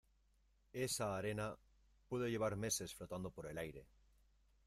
esa arena puede llevar meses flotando por el aire.